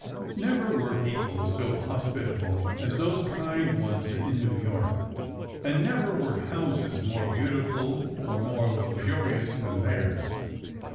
Never were people so hospitable as those kind ones in New York, and never were houses more beautiful or more luxurious than theirs.